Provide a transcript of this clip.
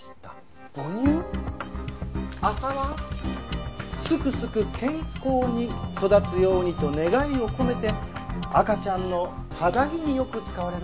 麻はすくすく健康に育つようにと願いを込めて赤ちゃんの肌着によく使われるんですねえ。